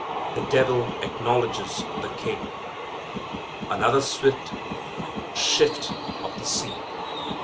The Devil Acknowledges the King. Another swift shift of the scene.